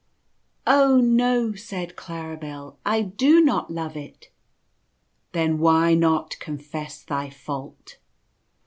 " Oh, no," said Claribel, " I do not love it." " Then why not confess thy fault